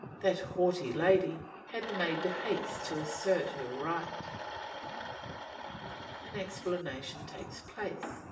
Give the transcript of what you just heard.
That haughty lady had made haste to assert her right. An explanation takes place.